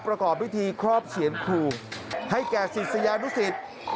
ประกอบพิธีครอบเสียนครูให้แก่ศิษยานุสิต